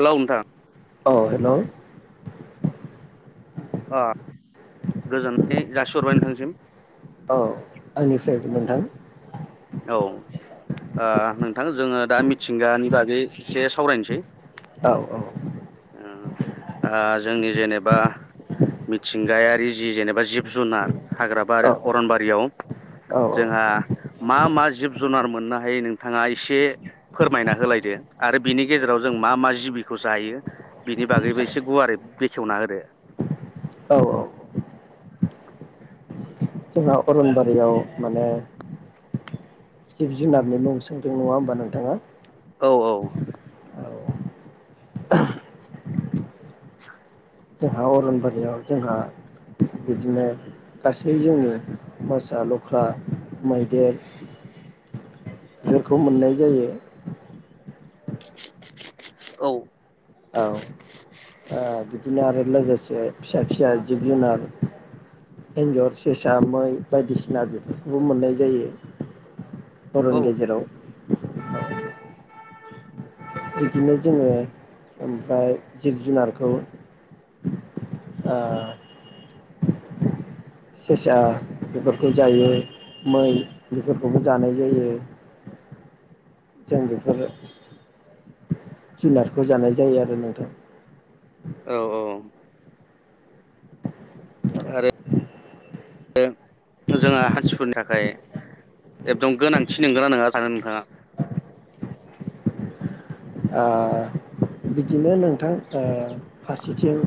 Hello नोंथां। औ hello आ गोजोननाय जासिहरबाय नोंथांसिम। औ आंनिफ्रायबो नोंथां। औ आ नोंथां जोङो दा मिथिंगानि बागै एसे सावरायनोसै। औ औ ओम आ जोंनि जेनेबा मिथिंगायारि जि जेनेबा जिब जुनार औ हाग्राबारि अरनबारियाव औ जोंहा मा मा जिब जुनार मोननो हायो नोंथाङा एसे फोरमायना होलायदो आरो बिनि गेजेराव जों मा मा जिबिखौ जायो। बिनि बागैबो एसे गुवारै बेखेवना होदो। औ औ जोंहा अरनबारियाव माने जिब जुनारनि मुं सोंदों नङा होमबा नोंथाङा। औ औ औ [inaudible] जोंहा अरनबारियाव जोंहा बिदिनो गासै जोंनि मोसा लख्रा, मैदेर फोरखौ मोननाय जायो। औ औ ओ बिदिनो आरो लोगोसे फिसा फिसा जिब जुनार एन्जर, सेसा, मै बायदिसिना बेफोरखौबो मोननाय जायो। औ अरन गेजेराव। [unintelligible] बिदिनो जोङो ओमफ्राय जिब जुनारखौ ओ सेसा बेफोरखौ जायो मै बेफोरखौबो जानाय जायो। जों बेफोर जुनारखौ जानाय जायो आरो नोंथां। औ औ आरो जोंहा हानसिफोरनि थाखाय एकदम गोनांथि नोंगोना नङा सानो नोंथाङा? आ बिदि बिदिनो नोंथां ओ फास [unintelligible]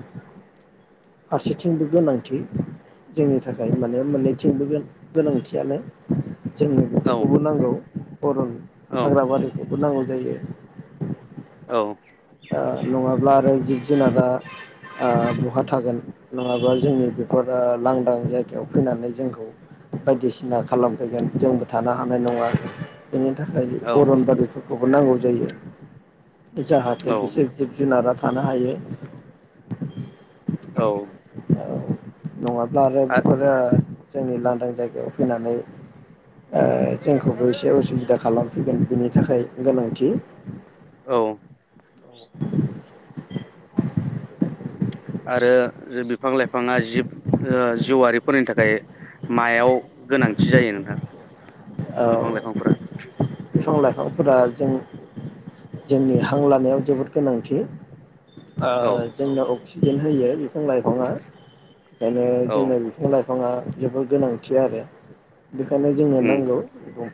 फारसेथिंबो गोनांथि जोंनि थाखाय माने मोननैथिंबो गोनांथियानो जोंनो औ बेफोरखौबो नांगौ। अरन औ हाग्राबारिखै खौ नांगौ जायो। औ दा नङाब्ला आरो जिब जोनारा ओ बहा थागोन नङाबा जोंनि बेफोर लांदां जायगायाव फैनानै जोंखौ बायदिसिना खा खालामफैगोन जोंबो थानो हानाय नङा। बेनि थाखाय औ अरन बारि फोर खौबो नांगौ जायो। जा दा औ बिसोर जिब जुनारा थानो हायो। औ औ नङाब्ला आरो आ बेफोरो जोंनि लांदां जायगायाव फैनानै ओ जोंखौबो एसे उसुबिदा खालामफैगोन बिनि थाखाय गोनांथि औ आरो बिफां लाइफाङा जिब ओ जिउआरिफोरनि थाखाय मायाव गोनांथि जायो नोंथां? बिफां लाइफांफोरा [inaudible] फां लाइफांफोरा जों जोंनि हां लानायाव जोबोद गोनांथि। औ ओ जोंना अक्सि फिन होयो बिफां लाइफाङा खायनो औ जोंना बिफां लाइफ बिफाङा जोबोर गोनांथि आरो बेखायनो जोंनो उम नांगौ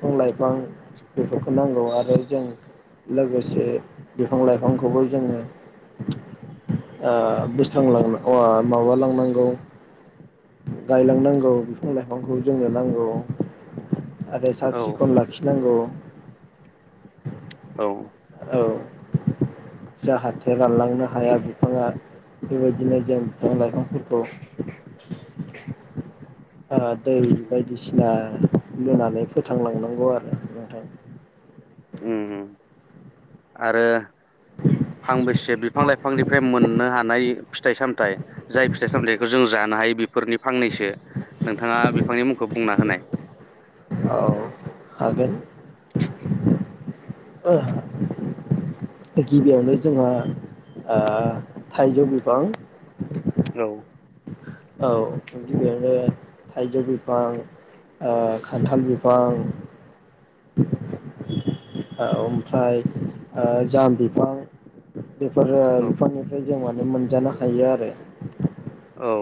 फां-लाइफां बेफोरखौ नांगौ आरो जों लोगोसे बिफां लाइफांखौबो जोंङो ओ बोस्रांलां माबा लांनांगौ गायलांनांगौ बिफां लाइफांखौ जोंनो नांगौ आरो साब औ सिखन लाखिनांगौ औ औ जाहाथे रानलांनो हाया बिफांङा बे बायदिनो जों बिफां लाइफां औ हा दै उम बायदिसिना दोनानै फोथांलांनांगौ आरो नोंथां उम उम आरो फांबेसे बिफां लाइफांनिफ्राय मोननो हानाय फिथाइ सामथायाइ जाय फिथाइ सामथायाइखौ जों जानो हायो बेफोरनि फांनैसो नोंथांङा बिफांनि मुंखौ बुंना होनाय औ हागोन ओ गिबियावनो जोंहा थाइजौ बिफां औ औ गिबियावनो थाइजौ बिफां ओ खान्थाल बिफां औ ओमफ्राय ओ जाम बिफां बेफोर औ बिफांनिफ्राय जों माने मोनजानो हायो आरो औ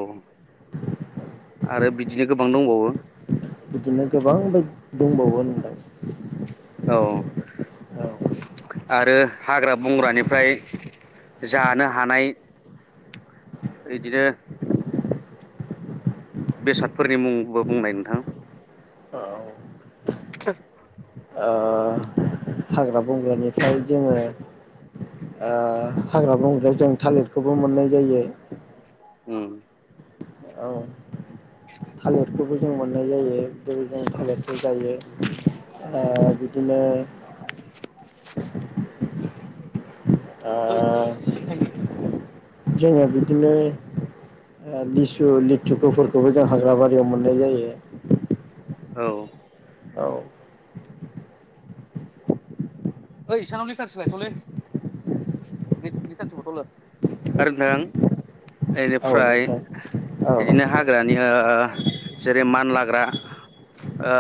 आरो बिदिनो गोबां दंबावो बिदिनो गोबांबो दंबावो होनलाय औ आरो हाग्रा बंग्रानिफ्राय जानो हानाय इदिनो बेसादफोरनि मुंबो बुंनाय नोंथां औ ओ [inaudible] हाग्रा बंग्रानिफ्राय जोंङो ओ हाग्रा बंग्रायाव जों थालिरखौबो मोननाय जायो उम औ थालिरखौबो जों मोननाय जायो औ जों थालिरखौ जायो ओ‌ बिदिनो ओ जोङो [unintelligible] बिदिनो ओ लिसु लिथुखुफोरखौबो जों हाग्रा बारियाव मोननाय जायो औ औ ओइ इसानाव लिटारसे लायथ'लै लिटारसे हथ'लै आरो नों औ इनिफ्राय नोंथां औ बिदिनो हाग्रानि ओ जेरै मानलाग्रा ओ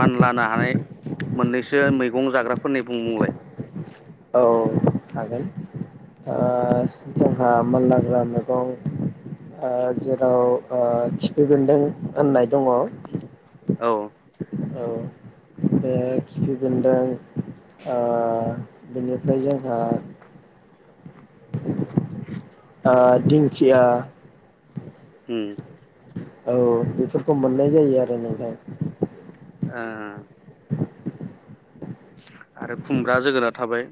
मानलानो हानाय मोननैसो मैगं जाग्राफोरनि बुंलाय औ हागोन ओ जोंहा मानलाग्रा मैगं ओ जेराव ओ खिफि बेन्दों होननाय दंङ औ बे खिफि बेन्दों ओ बेनिफ्राय जोंहा आ दिंखिया उम औ बेफोरखौ मोननाय जायो आरो नोंथां ओ आरो खुमग्रा जोगोनार थाबाय।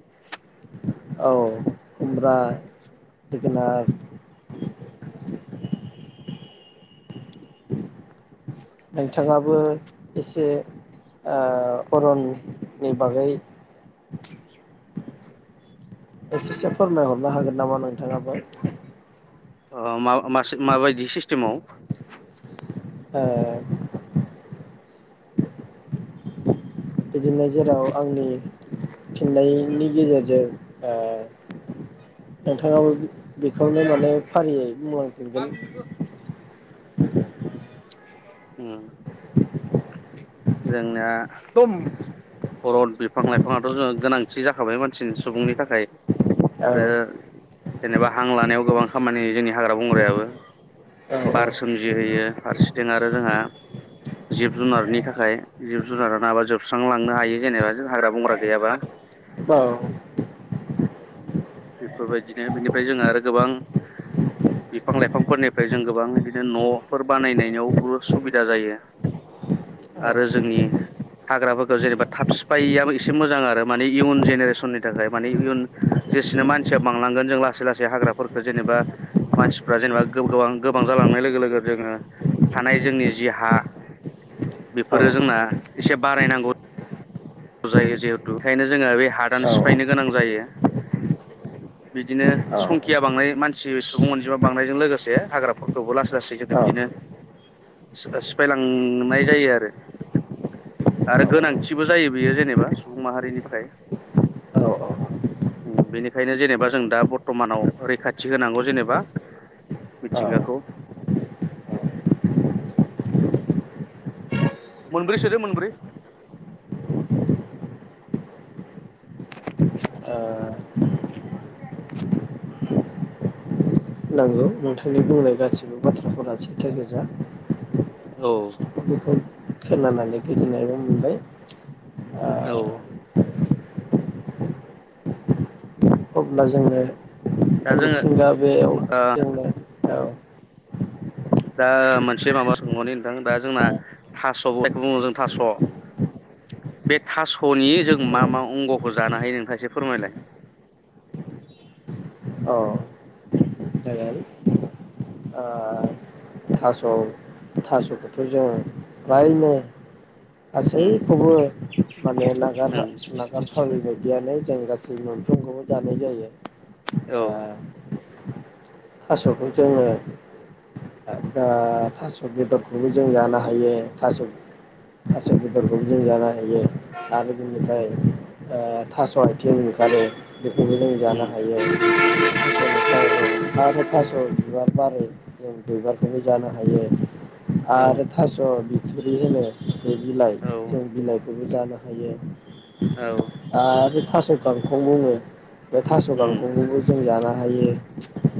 औ खुमब्रा जोगोनार। नोंथांङाबो एसे ओ‌ अरननि बागै। एसेसो फोरमायहरनो हागोन नामा नोंथाङाबो? ओ मा मास माबायदि सिस्टेमाव। ओ। बिदिनो जेराव आंनि फिननायनि गेजेरजों ओ नोंथाङाबो बेखौनो माने फारियै बुंलांफिनगोन। उम दम अरन बिफां लाइफांआथ' जों गोनांथि जाखाबाय मानसिनि सुबुंनि थाखाय। औ आरो। जेनेबा हां लानायाव गोबां खामानि होयो जोंनि हाग्रा बंग्रायाबो बार सोमजिहोयो फारसेथिं आरो जोंहा जिब जुनारनि थाखाय जिब। जुनारा नाबा जोबस्रांलांनो हायो जेनेबा हाग्रा बंग्रा गैयाबा। औ। बेफोरबायदिनो बेनिफ्राय जोंहा आरो गोबां बिफां लाइफांफोरनिफ्राय जों गोबां बिदिनो न'फोर बानायनायावबो सुबिदा जायो औ आरो जोंनि हाग्राफोरखौ जेनेबा थाब सिफायैयाबो एसे मोजां आरो माने इयुन जेनेरेसननि थाखाय मानि इयुन। जेसेनो मानसिया बांलांगोन जों लासै लासै हाग्राफोरखौ जेनेबा मानसिफ्रा जेनेबा गोबां गोबां जालांनाय लोगो लोगो जोङो थानाय जोंनि जि हा औ बेफोरो जोंना एसे बारायनांगौ। जायो जिहेतु बेखायनो जोङो बे हादान औ सिफायनो गोनां जायो बिदिनो संखिया बांनाय मानसि सुबुं अनजिमा बांनायजों लोगोसे हाग्राफोरखौबो लासै लासै जेथो बिदिनो सिफायलांनाय जायो आरो आरो गोनांथिबो जायो। बियो जेनेबा सुबुं माहारिनि थाखाय औ औ बेनिखायनो जेनेबा जों दा बर्थ'मानाव रैखाथि होनांगौ जेनेबा औ ओ मिथिंगाखौ। मोनब्रै सोदो मोनब्रै। [unintelligible] नांगौ नोंथांनि बुंनाय गासिबो बाथ्राफोरा सैथो गोजा। औ। बेखौ खोनानानै गोजोननायबो मोनबाय। औ। अब्ला जोङो। दा जोङो मिथिंगा बेयाव जोंनो। औ। दा मोनसे माबा सोंहरनि नोंथां दा जोंना थास'लाइखौ बुङो जों थास' बे थास'नि जों मा मा अंगखौ जानो हायो नोंथाङा एसे फोरमायलाय। औ जागोन ओ थास' थास'खौथ' जोंङो फ्रायनो। उम गासैखौबो माने नागार उम नागारथावयि बायदियानो। जों गासै मोनफ्रोमखौबो जानाय जायो। औ ओ। थास'खौ जोङो। दा थास' बेदरखौबो जों जानो हायो थास' थास' बेदरखौबो जों जानो हायो आरो बिनिफ्राय ओ थास' आथिं ओंखारो। बेखौबो जों जानो उम हायो आरो। [inaudible] औ बिबार बारो जों। बिबारखौबो जानो हायो। औ आरो थस' बि सिरि होनो। बे बिलाइ जों औ बिलाइ। बेबो जानो हायो। औ आरो थास' गांखं बुङो। बे थास' उम गांखौंबो जों जानो हायो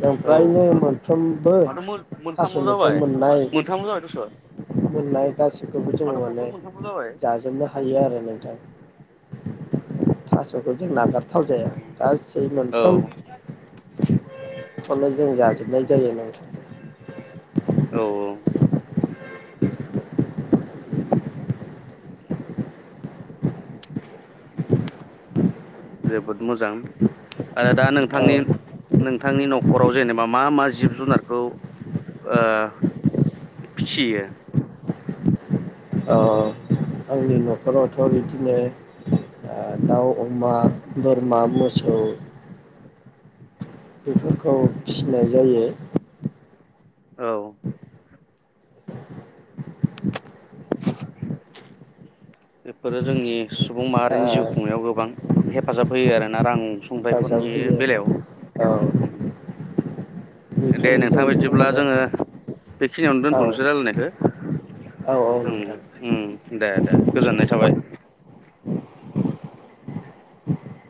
जों औ फ्रायनो मोनफ्रोमबो माथो मोनथामल' थास'निफ्राय जाबाय मोननाय मोनथामल' जाबाय दस' मोननाय गासिखौबो जोङो माथो माने बथल मोनथामल' जाबाय जाजोबनो हायो आरो नों थास'खौ जों नागार थाव जाया औ गासै औ मोनफ्राम मोननाय जों जाजोबनाय जायोना नोंथां औ जोबोद मोजां आरो दा औ नोंथांनि नोंथांनि न'खराव जेनेबा मा मा जिब जुनारखौ ओ फियो? ओ आंनि न'खरावथ' बिदिनो दाउ अमा बोरमा मोसौ बेफोरखौ फिनाय जायो औ बेफोरो जोंनि सुबुं ओ माहारिनि जिउ खुंनायाव गोबां हेफाजाब होयो आरोना रां सुंथाइफोरनि हेफाजाब बेलायाव होयो औ दे बेखायनो जों नोंथां बेखौ बिदिब्ला माने जोङो बेखिनियावनो औ दोनथ'नोसै रायलायनायखौ औ औ [unintelligible] नोंथां उम उम दे दे गोजोननाय थाबाय।